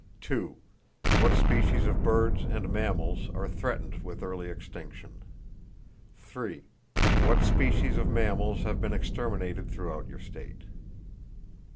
What species of birds and mammals are threatened with early extinction? What species of mammals have been exterminated throughout your state?